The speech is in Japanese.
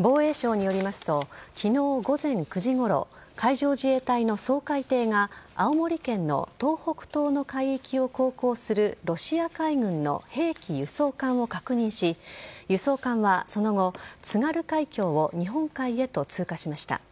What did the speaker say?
防衛省によりますと、きのう午前９時ごろ、海上自衛隊の掃海艇が青森県の東北東の海域を航行するロシア海軍の兵器輸送艦を確認し、輸送艦はその後、津軽海峡を日本海へと通過しました。